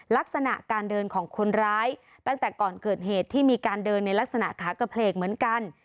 ลักษณะการเดินของคนร้ายตั้งแต่ก่อนเกิดเหตุที่มีการเดินในลักษณะขากระเพลกเหมือนกัน